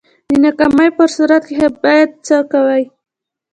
د ناکامۍ په صورت کی بیا څه کوئ؟